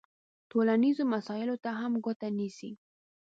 ټولنیزو مسایلو ته هم ګوته نیسي.